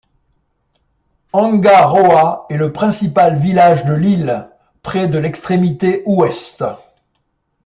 Hanga Roa est le principal village de l'île, près de l'extrémité ouest.